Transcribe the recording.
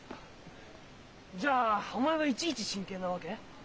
じゃあお前はいちいち真剣なわけ？